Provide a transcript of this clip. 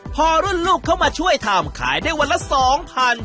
พอรุ่นลูกเข้ามาช่วยทำขายได้วันละ๒๐๐บาท